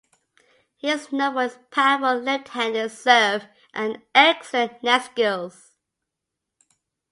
He is known for his powerful left-handed serve and excellent net skills.